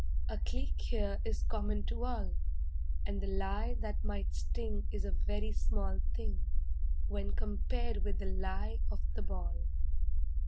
A cleek here is common to all; And the lie that might sting is a very small thing When compared with the lie of the ball.